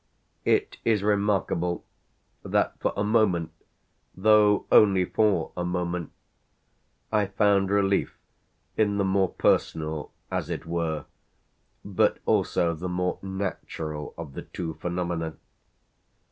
It is remarkable that for a moment, though only for a moment, I found relief in the more personal, as it were, but also the more natural of the two phenomena.